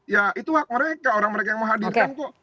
ya itu hak mereka orang mereka yang menghadirkan kok